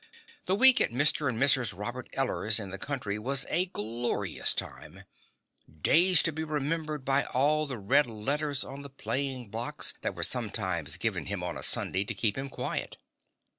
The week at Mr. and Mrs. Robert Eller's in the country was a glorious time days to be remembered by all the red letters on the playing blocks that were sometimes given him on a Sunday to keep him quiet.